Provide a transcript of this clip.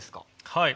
はい。